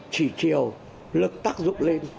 chỉ chiều lực tác dụng lên